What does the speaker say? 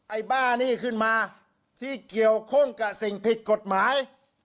บ้านี่ขึ้นมาที่เกี่ยวข้องกับสิ่งผิดกฎหมาย